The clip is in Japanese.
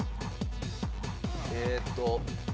えーっと。